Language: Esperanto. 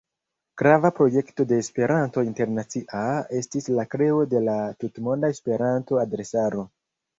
Grava projekto de "Esperanto Internacia" estis la kreo de la Tutmonda Esperanto-adresaro.